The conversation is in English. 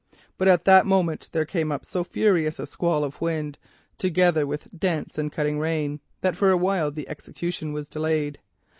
"But at that moment there came up so furious a squall of wind, and with it such dense and cutting rain, that for a while the execution was delayed.